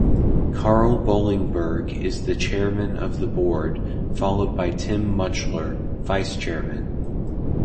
Karl Bollingberg is the Chairman of the Board followed by Tim Mutchler, Vice Chairman.